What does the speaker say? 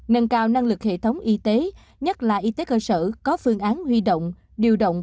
nâng cao năng lực hệ thống y tế nhất là y tế cơ sở có phương án huy động điều động